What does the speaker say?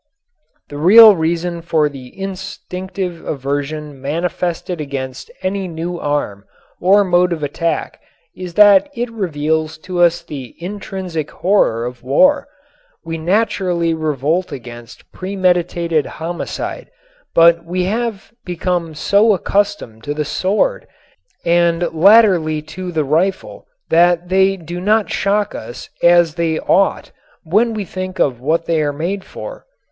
The real reason for the instinctive aversion manifested against any new arm or mode of attack is that it reveals to us the intrinsic horror of war. We naturally revolt against premeditated homicide, but we have become so accustomed to the sword and latterly to the rifle that they do not shock us as they ought when we think of what they are made for.